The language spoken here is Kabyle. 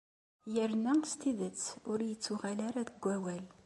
Yerna s tidet ur ittuɣal ara deg wawal.